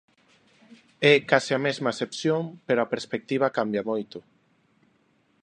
É case a mesma acepción pero a perspectiva cambia moito.